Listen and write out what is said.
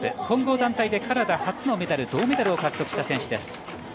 混合団体でカナダ初のメダル銅メダルを獲得した選手です。